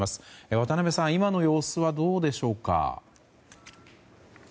渡辺さん、今の様子はどうでしょうか？